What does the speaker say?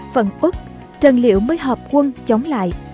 phận út trần liễu mới hợp quân chống lại